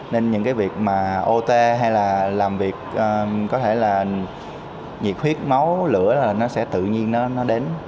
nên những cái việc mà ô tê hay là làm việc có thể là nhiệt huyết máu lửa là nó sẽ tự nhiên nó đến